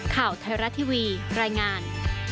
ข่าวไทยรัฐทีวีรายงาน